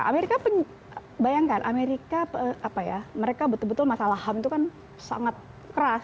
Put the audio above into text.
amerika bayangkan amerika apa ya mereka betul betul masalah ham itu kan sangat keras